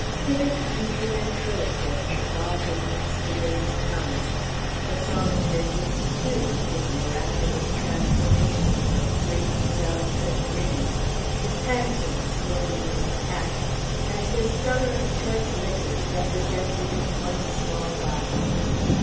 Hither comes the ventriloquist, with all his mysterious tongues; the thaumaturgist, too, with his miraculous transformations of plates, doves, and rings, his pancakes smoking in your hat, and his cellar of choice liquors represented in one small bottle.